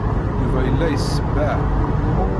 Yuba yella isebbeɣ.